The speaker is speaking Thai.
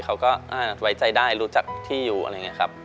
เขาก็ไว้ใจได้รู้จักที่อยู่อะไรอย่างนี้ครับ